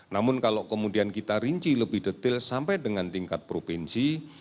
namun kalau kemudian kita rinci lebih detail sampai dengan tingkat provinsi